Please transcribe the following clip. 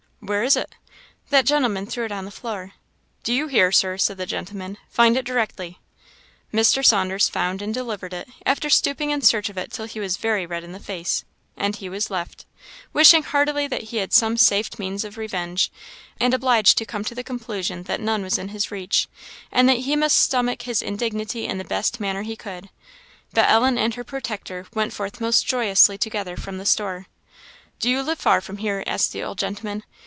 "Where is it?" "That gentleman threw it on the floor." "Do you hear, Sir?" said the old gentleman; "find it directly." Mr. Saunders found and delivered it, after stooping in search of it till he was very red in the face; and he was left, wishing heartily that he had some safe means of revenge, and obliged to come to the conclusion that none was within his reach, and that he must stomach his indignity in the best manner he could. But Ellen and her protector went forth most joyously together from the store. "Do you live far from here?" asked the old gentleman.